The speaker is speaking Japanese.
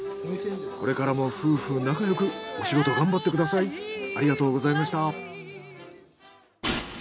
これからも夫婦仲よくお仕事頑張ってください。